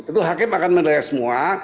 tentu hakim akan menilai semua